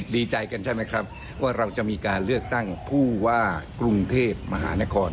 ดีใจกันใช่ไหมครับว่าเราจะมีการเลือกตั้งผู้ว่ากรุงเทพมหานคร